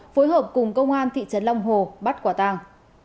phối hợp cùng công an thị trấn long hồ bắt quả tàng